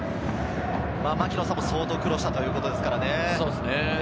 槙野さんも相当苦労したということですからね。